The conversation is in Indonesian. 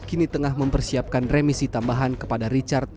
kini tengah mempersiapkan remisi tambahan kepada richard